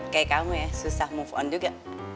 kayak kamu ya susah move on juga